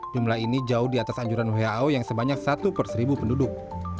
jumlah ini jauh di atas anjuran who yang sebanyak satu per seribu penduduk